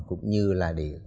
cũng như là để